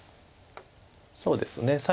そうですね